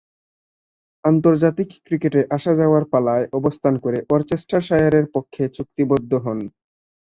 আন্তর্জাতিক ক্রিকেটে আসা-যাওয়ার পালায় অবস্থান করে ওরচেস্টারশায়ারের পক্ষে চুক্তিবদ্ধ হন।